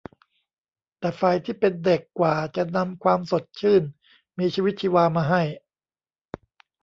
แต่ฝ่ายที่เป็นเด็กกว่าจะนำความสดชื่นมีชีวิตชีวามาให้